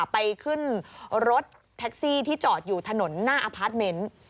ไปขึ้นรถแท็กซี่ที่จอดอยู่ถนนหน้าอพาร์ทเมนต์